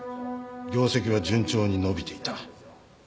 業績は順調に伸びていた。